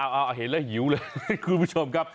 เอาเห็นแล้วหิวเลยคุณผู้ชมครับ